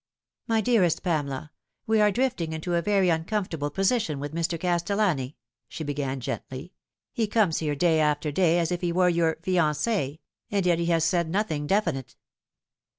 " My dearest Pamela, we are drifting into a very uncom fortable position with Mr. Castellani," she began gently. "He comes here day after day as if he were your fiance, and yet he has said nothing definite."